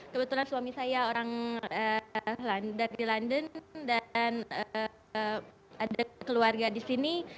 kebetulan suami saya orang dari london dan ada keluarga di sini